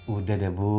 udah deh bu